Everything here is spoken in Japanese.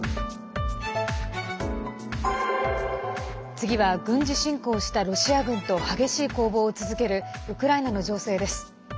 次は、軍事侵攻したロシア軍と激しい攻防を続けるウクライナの情勢です。